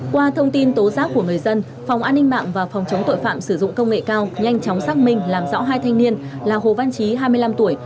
qua thông tin tố giác của người dân phòng an ninh mạng và phòng chống tội phạm sử dụng công nghệ cao nhanh chóng xác minh làm rõ hai thanh niên là hồ văn trí hai mươi năm tuổi